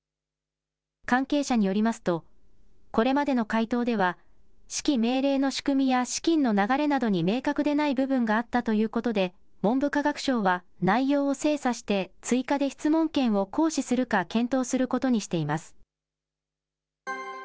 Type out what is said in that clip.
関係者によりますと、これまでの回答では、指揮命令の仕組みや資金の流れなどに明確でない部分があったということで、文部科学省は、内容を精査して追加で質問権を行使するか検討することにしています。